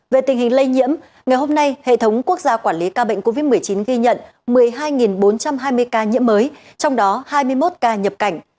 về tình hình lây nhiễm ngày hôm nay hệ thống quốc gia quản lý ca bệnh covid một mươi chín ghi nhận một mươi hai bốn trăm hai mươi ca nhiễm mới trong đó hai mươi một ca nhập cảnh